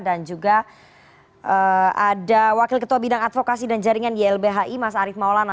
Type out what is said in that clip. dan juga ada wakil ketua bidang advokasi dan jaringan ylbhi mas arief maulana